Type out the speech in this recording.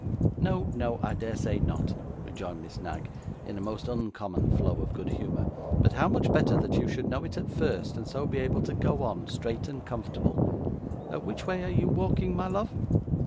'No, no, I dare say not,' rejoined Miss Knag, in a most uncommon flow of good humour. 'But how much better that you should know it at first, and so be able to go on, straight and comfortable! Which way are you walking, my love?